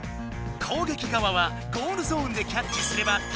攻撃側はゴールゾーンでキャッチすればタッチダウン。